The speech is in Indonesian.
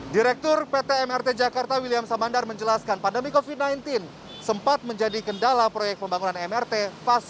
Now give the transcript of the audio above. direktur pt mrt jakarta william samandar menjelaskan pandemi covid sembilan belas sempat menjadi kendala proyek pembangunan mrt fase dua